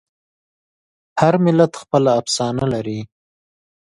هر ملت خپله افسانه لري.